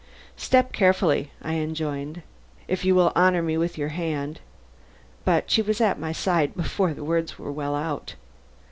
"Step carefully," I enjoined. "If you will honor me with your hand " But she was at my side before the words were well out.